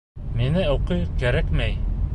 Миңә уҡыу кәрәкмәй!